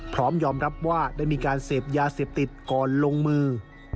พร้อมยอมรับว่าได้มีการเสพยาเสพติดก่อนลงมือ